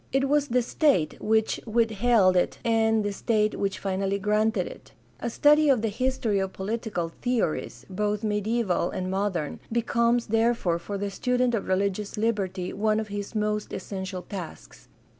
It was the state which withheld it and the state which finally granted it. A study of the history of political theories, both mediaeval and modern, becomes, therefore, for the student of religious liberty one of his most essential tasks.